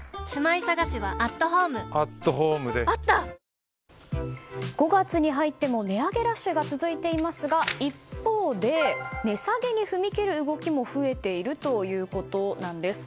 「颯」５月に入っても値上げラッシュが続いていますが一方で値下げに踏み切る動きも増えているということなんです。